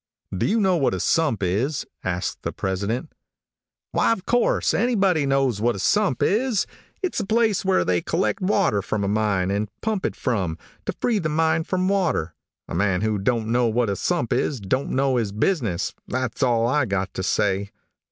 "Do you know what a sump is?" asked the president. "Why, of course, anybody knows what a sump is. It's the place where they collect water from a mine, and pump it from, to free the mine from water. A man who don't know what a sump is, don't know his business, that's all I've got to say."